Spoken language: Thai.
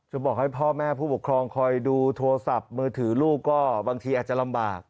บอกให้พ่อแม่ผู้ปกครองคอยดูโทรศัพท์มือถือลูกก็บางทีอาจจะลำบาก